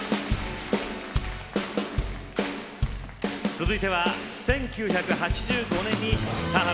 続いては１９８５年に田原俊彦さん